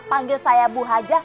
panggil saya bu haja